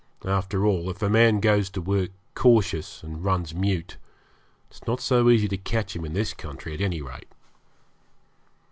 After all, if a man goes to work cautious and runs mute it's not so easy to catch him in this country, at any rate.'